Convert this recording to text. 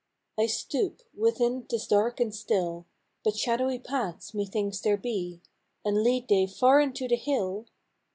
" I stoop : within't is dark and still: But shadowy paths methinks there be, And lead they far into the hill?